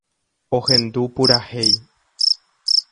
Ohendu purahéi.